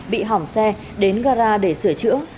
bị hỏng xe đến gara để sửa chữa